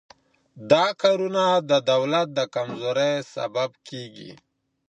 دا کارونه د دولت د کمزورۍ سبب کیږي.